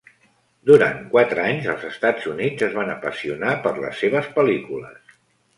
Durant quatre anys, els Estats Units es van apassionar per les seves pel·lícules.